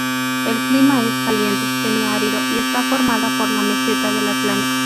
El clima es caliente semi-árido, y está formada por la Meseta del Atlántico.